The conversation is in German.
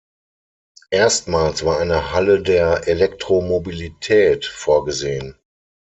Erstmals war eine "Halle der Elektromobilität" vorgesehen.